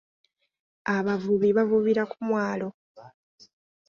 Abavubi bavubira ku mwalo.